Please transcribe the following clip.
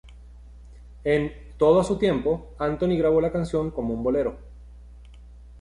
En "Todo a su tiempo", Anthony grabó la canción como un bolero.